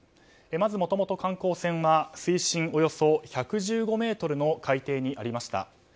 まずもともと観光船は水深およそ１１５ｍの海底にありました。